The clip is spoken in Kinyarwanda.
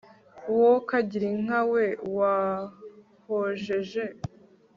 Wokagira inka we wahojeje